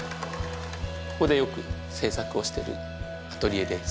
ここでよく制作をしてるアトリエです。